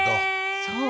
そう。